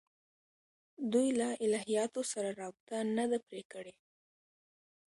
دوی له الهیاتو سره رابطه نه ده پرې کړې.